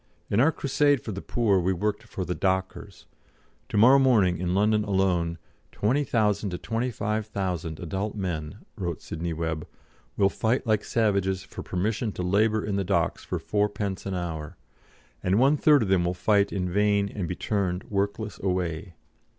In our crusade for the poor we worked for the dockers." To morrow morning, in London alone 20,000 to 25,000 adult men," wrote Sidney Webb, "will fight like savages for permission to labour in the docks for 4d. an hour, and one third of them will fight in vain, and be turned workless away."